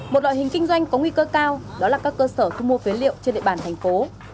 một loại hình kinh doanh có nguy cơ cao đó là các cơ sở thu mua phế liệu trên địa bàn thành phố